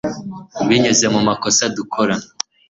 binyuze mu makosa dukora